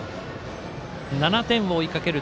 ７点を追いかける